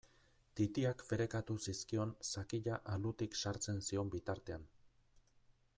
Titiak ferekatu zizkion sakila alutik sartzen zion bitartean.